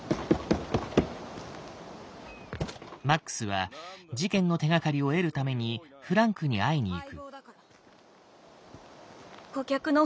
マックスは事件の手がかりを得るためにフランクに会いにいく。